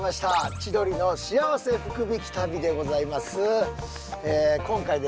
「千鳥の幸せ福引き旅」でございます。